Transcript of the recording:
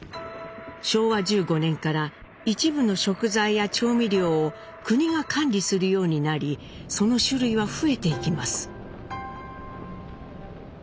昭和１５年から一部の食材や調味料を国が管理するようになりその種類は増えていきます。